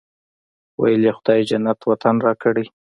ویل یې خدای جنت وطن راکړی.